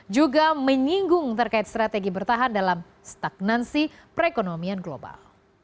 juga menyinggung terkait strategi bertahan dalam stagnansi perekonomian global